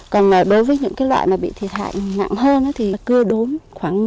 còn đối với những cái loại mà bị thiệt hại ngặn hơn thì cưa đốn